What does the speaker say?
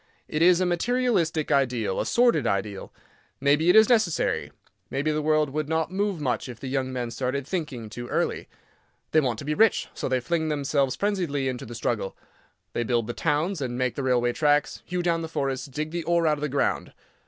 It is a materialistic ideal—a sordid ideal. Maybe it is necessary. Maybe the world would not move much if the young men started thinking too early. They want to be rich, so they fling themselves frenziedly into the struggle. They build the towns, and make the railway tracks, hew down the forests, dig the ore out of the ground.